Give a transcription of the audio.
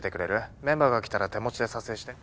メンバーが来たら手持ちで撮影して。